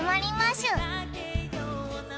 しゅ